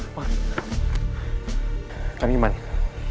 apa yang terjadi